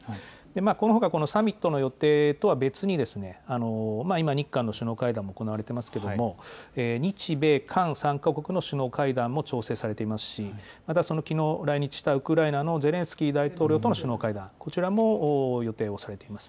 このほかこのサミットの予定とは別に、今、日韓の首脳会談も行われてますけれども、日米韓３か国の首脳会談も調整されていますし、またきのう来日したウクライナのゼレンスキー大統領との首脳会談、こちらも予定をされています。